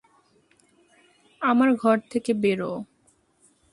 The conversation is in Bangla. আমার ঘর থেকে বেরো!